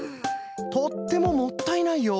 とってももったいないよ！